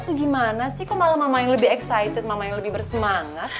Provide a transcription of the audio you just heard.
itu gimana sih kok malah mama yang lebih excited mama yang lebih bersemangat